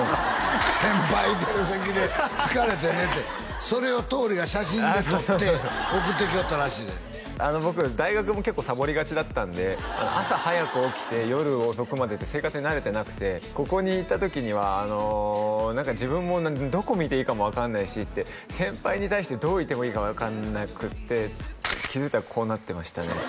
先輩いてる席で疲れて寝てそれを桃李が写真で撮って送ってきよったらしいで僕大学も結構サボりがちだったんで朝早く起きて夜遅くまでって生活に慣れてなくてここにいた時にはあの何か自分もどこ見ていいかも分かんないし先輩に対してどういてもいいかも分かんなくて気づいたらこうなってましたね